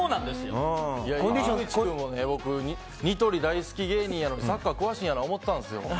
ニトリ大好き芸人なのにサッカー詳しいなと思ってたんです。